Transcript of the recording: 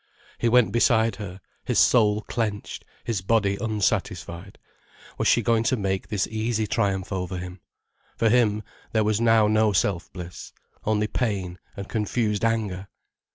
He went beside her, his soul clenched, his body unsatisfied. Was she going to make this easy triumph over him? For him, there was now no self bliss, only pain and confused anger.